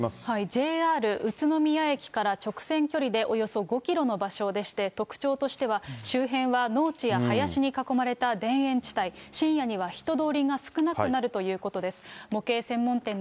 ＪＲ宇都宮駅から直線距離でおよそ５キロの場所でして、特徴としては、周辺は農地や林に囲まれた田園地帯、深夜には人通りが少なくなるということです。